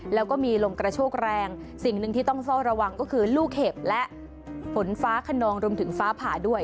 แล้วก็มีลมกระโชกแรงสิ่งหนึ่งที่ต้องเฝ้าระวังก็คือลูกเห็บและฝนฟ้าขนองรวมถึงฟ้าผ่าด้วย